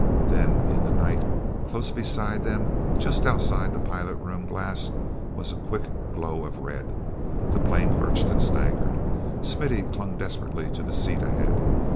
Then, in the night, close beside them and just outside the pilot room glass, was a quick glow of red. The plane lurched and staggered. Smithy clung desperately to the seat ahead.